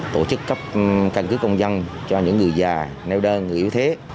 tổ chức cấp căn cứ công dân cho những người già nêu đơn người yếu thế